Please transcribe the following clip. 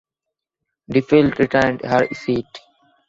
Duffield retained her seat.